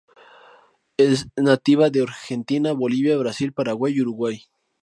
Es nativa de Argentina, Bolivia, Brasil, Paraguay y Uruguay.